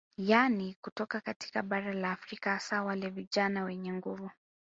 Yani kutoka katika bara la Afrika hasa wale vijana wenye nguvu